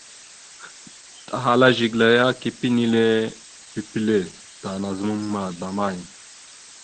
Tahala Zigəla ya, kepé enile pipile ta, nazəmam ma zlamay?